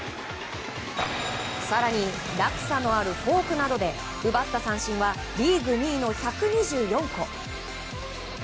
更に落差のあるフォークなどで奪った三振はリーグ２位の１２４個。